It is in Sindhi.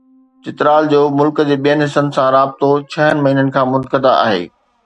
چترال جو ملڪ جي ٻين حصن سان رابطو ڇهن مهينن کان منقطع آهي.